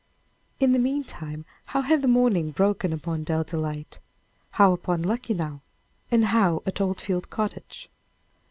In the meantime, how had the morning broken upon Dell Delight? How upon Luckenough? and how at Old Field Cottage?